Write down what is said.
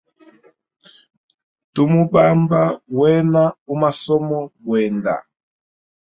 Tu mubamba wena u masomo bwenda.